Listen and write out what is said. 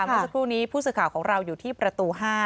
เมื่อสักครู่นี้ผู้สื่อข่าวของเราอยู่ที่ประตู๕